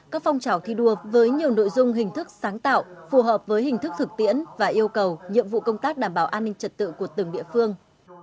các phong trào thi đua với nhiều nội dung hình thức sáng tạo phù hợp với hình thức thực tiễn và yêu cầu nhiệm vụ công tác đảm bảo an ninh trật tự của từng địa phương